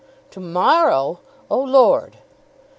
"To morrow! oh, lord!"